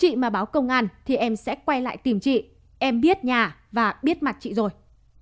khi mà báo công an thì em sẽ quay lại tìm chị em biết nhà và biết mặt chị rồi